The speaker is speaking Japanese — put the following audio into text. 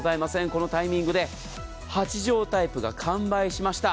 このタイミングで８畳タイプが完売しました。